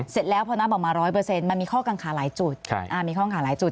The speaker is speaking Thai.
เสร็จแล้วพอน้ำออกมา๑๐๐มันมีข้อกังขาหลายจุด